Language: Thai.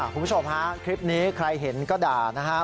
คุณผู้ชมครับคลิปนี้ใครเห็นก็ด่านะครับ